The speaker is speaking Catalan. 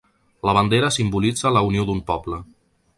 La bandera simbolitza la unió d’un poble.